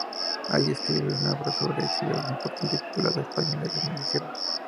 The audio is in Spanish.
Allí escribe una obra sobre exiliados importantes titulada "Españoles en el destierro.